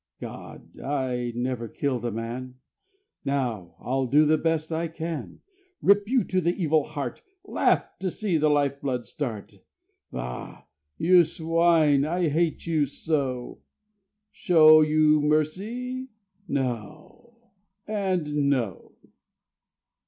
God! I never killed a man: Now I'll do the best I can. Rip you to the evil heart, Laugh to see the life blood start. Bah! You swine! I hate you so. Show you mercy? No! ... and no!